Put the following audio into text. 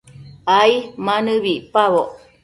ai ma nëbi icpaboc